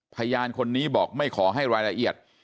พยานคนนี้บอกไม่ขอให้รายละเอียด